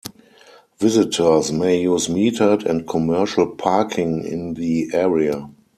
Visitors may use metered and commercial parking in the area.